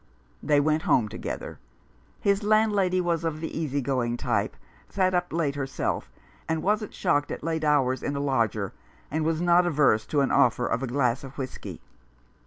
They went home together. His landlady was of the easy going type — sat up late herself, and wasn't shocked at late hours in a lodger, and was not averse to the offer of a glass of whisky.